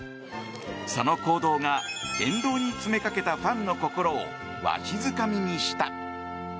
その行動が、沿道に詰めかけたファンの心をわしづかみにした。